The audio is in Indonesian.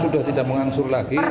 sudah tidak mengangsur lagi